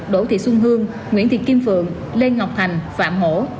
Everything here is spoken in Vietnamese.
đỗ thị xuân hương nguyễn thị kim phượng lê ngọc thành phạm hổ